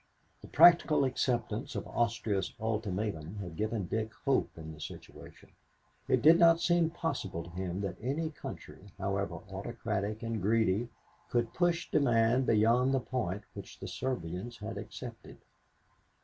The practical acceptance of Austria's ultimatum had given Dick hope in the situation. It did not seem possible to him that any country, however autocratic and greedy, could push demand beyond the point which the Serbians had accepted.